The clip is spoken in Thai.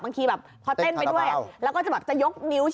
บางทีแบบพอเต้นไปด้วยอ่ะแล้วก็จะแบบจะยกนิ้วชี้อย่างเงี้ยค่ะ